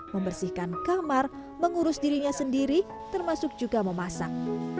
membersihkan kamar mengurus dirinya sendiri termasuk juga memasak